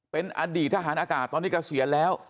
เป็นอดีตทหารอากาศตอนนี้เกษียณแล้ว